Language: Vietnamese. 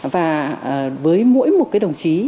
và với mỗi một đồng chí